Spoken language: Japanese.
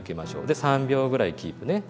で３秒ぐらいキープね。